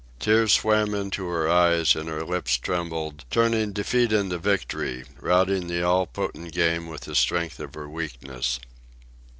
Tears swam into her eyes, and her lips trembled, turning defeat into victory, routing the all potent Game with the strength of her weakness.